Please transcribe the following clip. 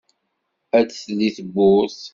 ad d-telli tewwurt.